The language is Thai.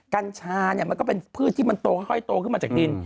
กัญชาเนี่ยมันก็เป็นพืชที่มันโตค่อยโตขึ้นมาจากดิน